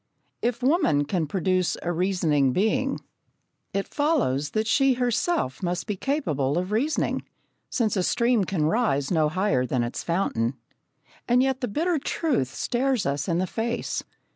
If woman can produce a reasoning being, it follows that she herself must be capable of reasoning, since a stream can rise no higher than its fountain. And yet the bitter truth stares us in the face.